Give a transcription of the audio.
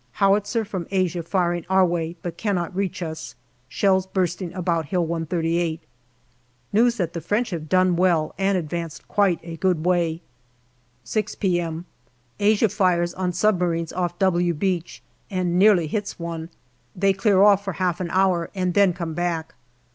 Howitzer from Asia firing our way, but cannot reach us. Shells bursting about Hill 138. News that the French have done well and advanced quite a good way. 140 GALLIPOLI DIARY 6 p.m. Asia fires on submarines off " W " Beach and nearly hits one. They clear off for half an hour and then come back.